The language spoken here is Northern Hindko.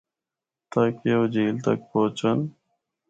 تاکہ او جھیل تک پُہچن۔